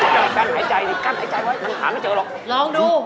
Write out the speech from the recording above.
มีปัญหาไม่เจอหรอก